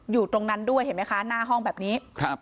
อยู่ตรงนั้นด้วยเห็นไหมคะหน้าห้องแบบนี้ครับ